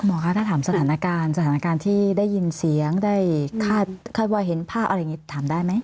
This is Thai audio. คะถ้าถามสถานการณ์สถานการณ์ที่ได้ยินเสียงได้คาดว่าเห็นภาพอะไรอย่างนี้ถามได้ไหม